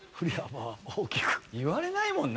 言われないもんな。